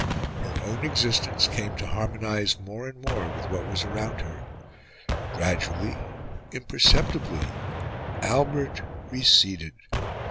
Her own existence came to harmonise more and more with what was around her. Gradually, imperceptibly, Albert receded.